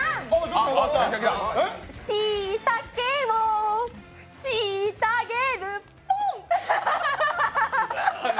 しいたけをしいたげる、ポン。